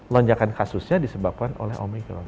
lonjakan kasusnya disebabkan oleh omikron